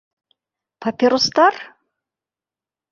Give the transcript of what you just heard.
Папиростар!?